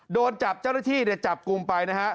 โดนจับเจ้าหน้าที่เนี่ยจับกลุ่มไปนะฮะ